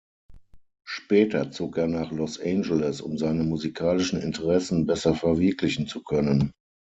Später zog er nach Los Angeles, um seine musikalischen Interessen besser verwirklichen zu können.